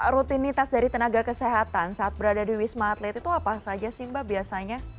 rutinitas dari tenaga kesehatan saat berada di wisma atlet itu apa saja sih mbak biasanya